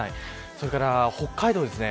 それから北海道ですね。